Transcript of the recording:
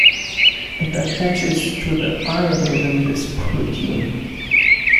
It attaches to the iron within this protein.